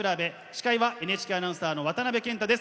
司会はＮＨＫアナウンサーの渡辺健太です。